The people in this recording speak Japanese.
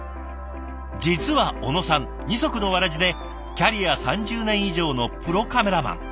実は小野さん二足のわらじでキャリア３０年以上のプロカメラマン。